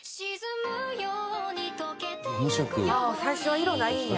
「最初は色ないんや」